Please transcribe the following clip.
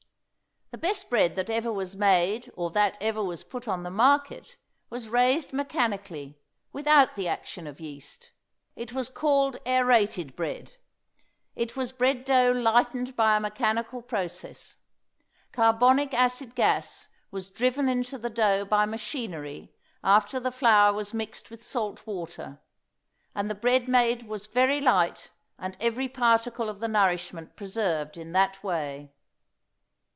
The best bread that ever was made or that ever was put on the market was raised mechanically, without the action of yeast; it was called aerated bread. It was bread dough lightened by a mechanical process. Carbonic acid gas was driven into the dough by machinery after the flour was mixed with salt water; and the bread made was very light and every particle of the nourishment preserved in that way.